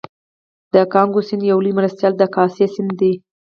د کانګو سیند یو لوی مرستیال د کاسای سیند دی